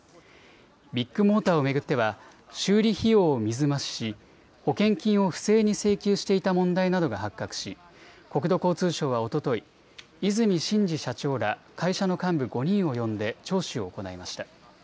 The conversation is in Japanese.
ビッグモーターを巡っては修理費用を水増し保険金を不正に請求していた問題などが発覚し国土交通省はおととい、和泉伸二社長ら会社の幹部５人を呼んで聴取を行いました。